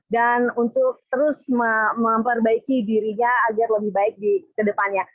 dan untuk terus memperbaiki dirinya agar lebih baik ke depannya